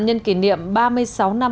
nhân kỷ niệm ba mươi sáu năm